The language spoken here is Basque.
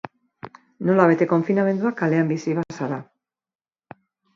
Nola bete konfinamendua kalean bizi bazara?